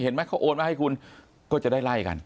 เห็นไหมเขาโอนมาให้คุณก็จะได้ไล่กัน